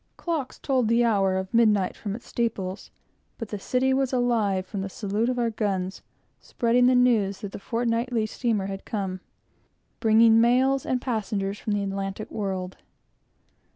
Clocks tolled the hour of midnight from its steeples, but the city was alive from the salute of our guns, spreading the news that the fortnightly steamer had come, bringing mails and passengers from the Atlantic world.